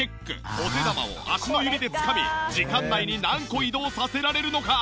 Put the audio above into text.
お手玉を足の指でつかみ時間内に何個移動させられるのか？